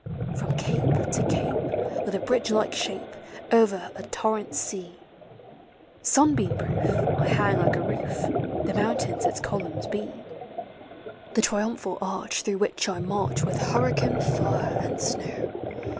From cape to cape, with a bridge like shape, Over a torrent sea, Sunbeam proof, I hang like a roof, The mountains its columns be. The triumphal arch through which I march With hurricane, fire, and snow.